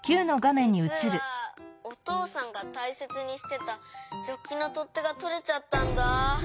じつはおとうさんがたいせつにしてたジョッキのとってがとれちゃったんだ。